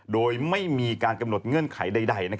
โดยไม่มีการกำหนดเงื่อนไขใด